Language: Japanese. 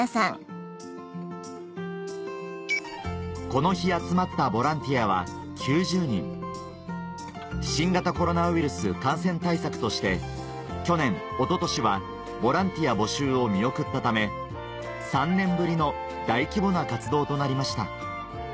この日集まった新型コロナウイルス感染対策として去年一昨年はボランティア募集を見送ったため３年ぶりの大規模な活動となりました